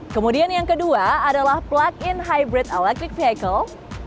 kemudian yang kedua adalah plug in hybrid electric vehicle